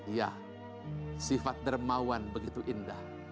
ya sifat dermawan begitu indah